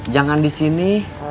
jangan di sini